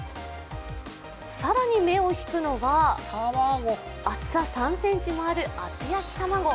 更に目を引くのが、厚さ３ｃｍもある厚焼き卵。